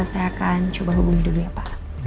saya akan coba hubungi dulu ya pak